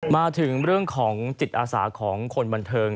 มาถึงเรื่องของจิตอาสาของคนบันเทิง